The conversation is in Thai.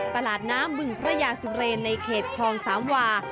ตลาดน้ำบึงพระยาสุเรนในเขตคลองสามวา